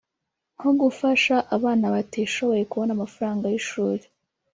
nko gufasha abana batishoboye kubona amafaranga y’ishuri…